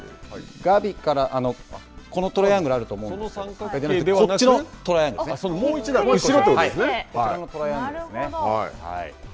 ガビから、このトライアングルがあると思いますが、こっちのトライアングルですね。